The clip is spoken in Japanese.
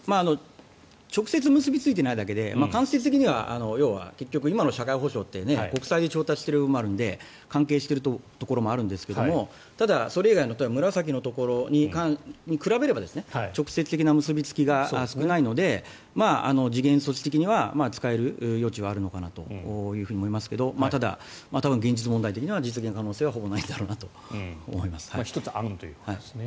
直接結びついていないだけで間接的には要は結局、今の社会保障って国債で調達している部分もあるので関係しているところもあるんですがただ、それ以外の紫に比べれば直接的な結びつきが少ないので時限措置的には使える余地はあるのかなと思いますがただ、現実問題的には実現可能性は１つ案ということですね。